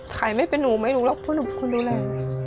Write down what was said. ใครไม่เป็นหนูไม่รู้หรอกพ่อหนูคุณดูแล